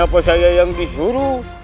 kalau saya yang disuruh